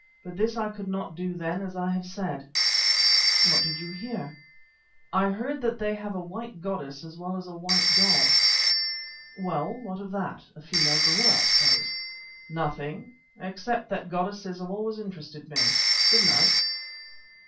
But this I could not do then as I have said." "And what did you hear?" "I heard that they had a white goddess as well as a white god." "Well, what of it? A female gorilla, I suppose." "Nothing, except that goddesses have always interested me. Good night."